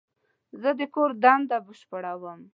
زه د کور دنده بشپړوم.